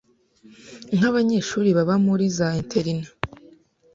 nk’abanyeshuri baba muri za interina,